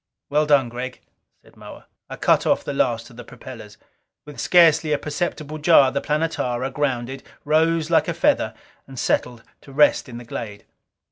"Well done, Gregg!" said Moa. I cut off the last of the propellers. With scarcely a perceptible jar, the Planetara grounded, rose like a feather, and settled to rest in the glade.